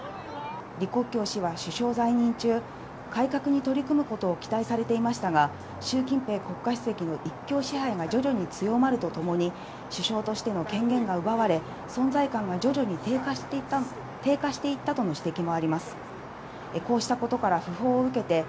李克強氏は首相在任中、改革に取り組むことを期待されていましたが、習近平国家主席の一強支配が徐々に強まるとともに、首相としての権限が奪われ、存在感が徐々に低下していったとの指摘もあります。